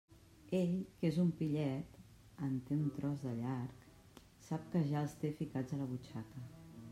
Ell, que és un pillet —en té un tros de llarg—, sap que ja els té ficats a la butxaca.